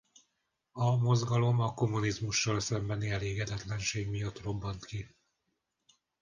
A mozgalom a kommunizmussal szembeni elégedetlenség miatt robbant ki.